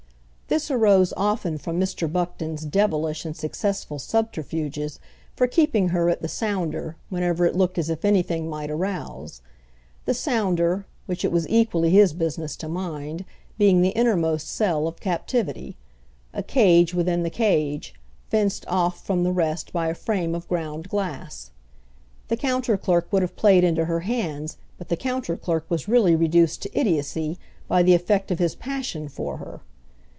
This arose often from Mr. Buckton's devilish and successful subterfuges for keeping her at the sounder whenever it looked as if anything might arouse; the sounder, which it was equally his business to mind, being the innermost cell of captivity, a cage within the cage, fenced oft from the rest by a frame of ground glass. The counter clerk would have played into her hands; but the counter clerk was really reduced to idiocy by the effect of his passion for her.